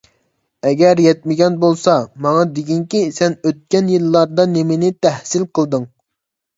ئەگەر يەتمىگەن بولسا، ماڭا دېگىنكى سەن ئۆتكەن يىللاردا نېمىنى تەھسىل قىلدىڭ؟